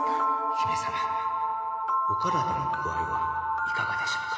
姫様お体の具合はいかがでしょうか？